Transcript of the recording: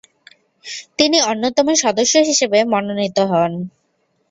তিনি অন্যতম সদস্য হিসেবে মনোনীত হন।